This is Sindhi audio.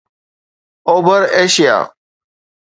اوڀر ايشيا